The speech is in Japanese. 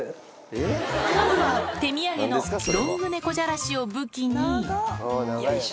まずは手土産のロング猫じゃらしを武器によいしょ。